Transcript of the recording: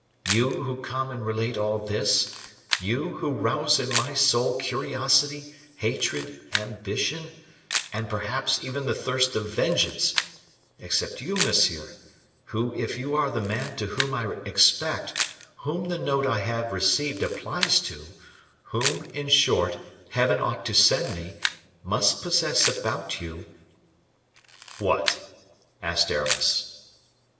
You who come and relate all this; you, who rouse in my soul curiosity, hatred, ambition, and, perhaps, even the thirst of vengeance; except you, monsieur, who, if you are the man to whom I expect, whom the note I have received applies to, whom, in short, Heaven ought to send me, must possess about you " "What?" asked Aramis.